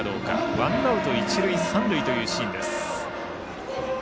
ワンアウト、一塁三塁というシーンです。